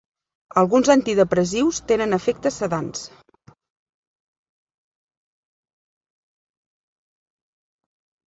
Alguns antidepressius tenen efectes sedants.